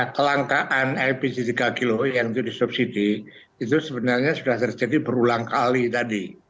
kelangkaan lpg tiga kg yang disubsidi itu sebenarnya sudah terjadi berulang kali tadi